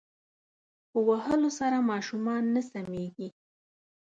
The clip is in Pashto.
په وهلو سره ماشومان نه سمیږی